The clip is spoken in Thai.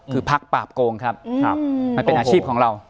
คือพักปราบโกงครับมันเป็นอาชีพของเรา